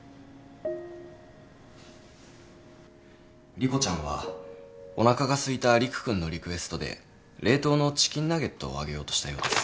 莉子ちゃんはおなかがすいた理玖君のリクエストで冷凍のチキンナゲットを揚げようとしたようです。